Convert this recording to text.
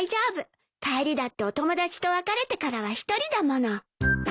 帰りだってお友達と別れてからは１人だもの。